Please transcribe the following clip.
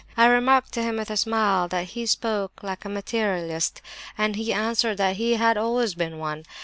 I remarked to him, with a smile, that he spoke like a materialist, and he answered that he had always been one.